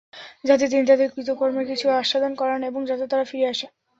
যাতে তিনি তাদের কৃতকর্মের কিছু আস্বাদন করান এবং যাতে তারা ফিরে আসে।